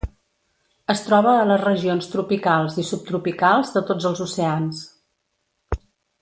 Es troba a les regions tropicals i subtropicals de tots els oceans.